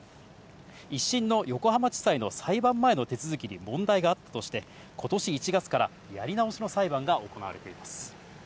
一審の横浜地裁の裁判前の手続きに問題があったとして、今年１月からやり直しの裁判が行われています。